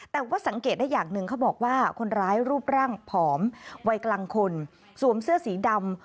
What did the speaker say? แต่ว่าสังเกตได้อย่างหนึ่งเขาบอกว่าคนร้ายรูปร่างผอมวัยกลางคนสวมเสื้อสีดำ